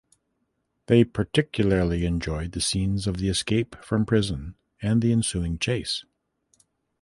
They particularly enjoyed the scenes of the escape from prison and the ensuing chase.